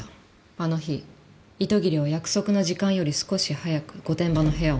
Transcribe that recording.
あの日糸切は約束の時間より少し早く御殿場の部屋を訪れた。